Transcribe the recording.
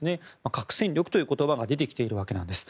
核戦力という言葉が出てきているわけなんです。